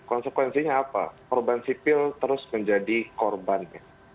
konsekuensinya apa korban sipil terus menjadi korbannya